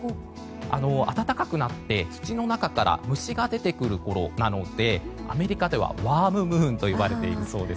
暖かくなって土の中から虫が出てくるころなのでアメリカではワームムーンと呼ばれているそうです。